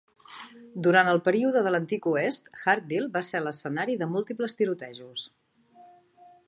Durant el període de l'Antic Oest, Hartville va ser l'escenari de múltiples tirotejos.